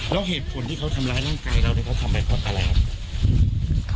จ้อยทีมโมโผจ้อยโอ้ยไปทำทำไม